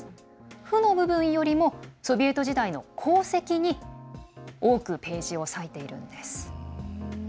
負の部分よりもソビエト時代の功績に多くページを割いているんです。